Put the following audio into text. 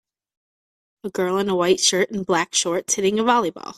A girl in a white shirt and black shorts hitting a volleyball.